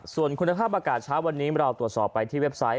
ส่วนคุณภาพอากาศเช้าวันนี้เราตรวจสอบไปที่เว็บไซต์